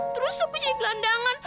terus aku jadi gelandangan